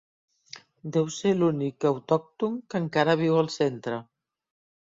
Deu ser l'únic autòcton que encara viu al centre!